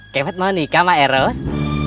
kemet mau nikah sama eros